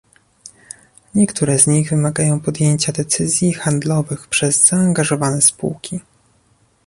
Niektóre z nich wymagają podjęcia decyzji handlowych przez zaangażowane spółki